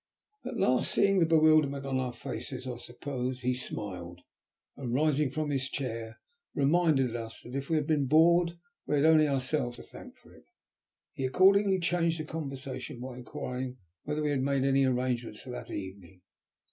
At last, seeing the bewilderment on our faces, I suppose, he smiled, and rising from his chair reminded us that if we had been bored we had only ourselves to thank for it. He accordingly changed the conversation by inquiring whether we had made any arrangements for that evening.